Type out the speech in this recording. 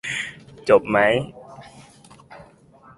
จบไหม ?